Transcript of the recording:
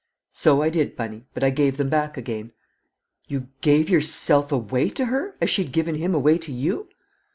"So I did, Bunny, but I gave them back again." "You gave yourself away to her, as she'd given him away to you?"